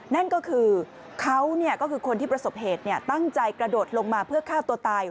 นั่นก็คือเขาก็คือคนที่ประสบเหตุตั้งใจกระโดดลงมาเพื่อฆ่าตัวตาย